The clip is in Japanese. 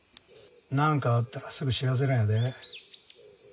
なんかあったらすぐ知らせるんやで。